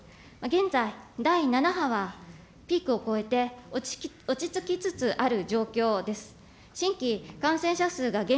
現在、第７波はピークを越えて、落ち着きつつある状況です。